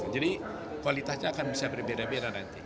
jadi kualitasnya akan bisa berbeda beda nanti